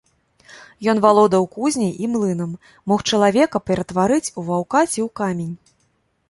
Ён валодаў кузняй і млынам, мог чалавека ператварыць у ваўка ці ў камень.